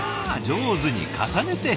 上手に重ねて！